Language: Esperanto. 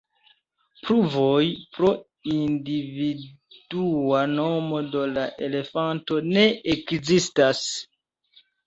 Pruvoj por individua nomo de la elefanto ne ekzistas.